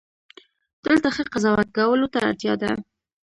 دلته ښه قضاوت کولو ته اړتیا ده.